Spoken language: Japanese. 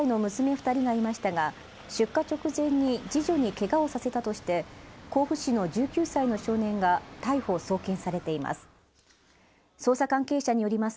二人がいましたが出火直前に次女にけがをさせたとして甲府市の１９歳の少年が逮捕送検されています